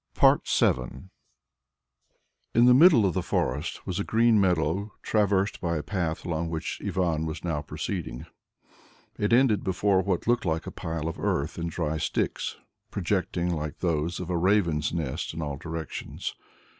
VII In the middle of the forest was a green meadow traversed by a path along which Ivan was now proceeding. It ended before what looked like a pile of earth and dry sticks projecting like those of a raven's nest in all directions.